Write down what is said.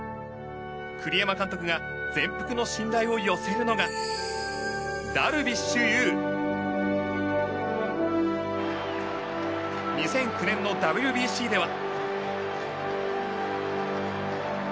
栗山監督が全幅の信頼を寄せるのが２００９年のＷＢＣでは。